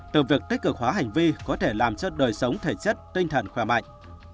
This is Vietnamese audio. từ việc tích cực hóa hành vi có thể làm cho đời sống thể chất tinh thần khỏe mạnh